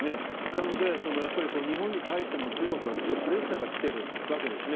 なので、日本に対しても中国からはすごくプレッシャーが来ているわけですね。